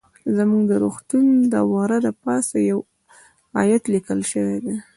زموږ د روغتون د وره د پاسه يو ايت ليکل شوى ديه.